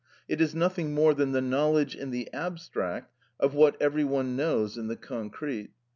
It is nothing more than the knowledge in the abstract of what every one knows in the concrete.